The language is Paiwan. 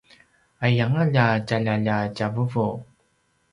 aiyanga lja tjaljak lja tjavuvu!